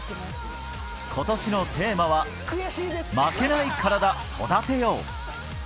今年のテーマは「負けないカラダ、育てよう」。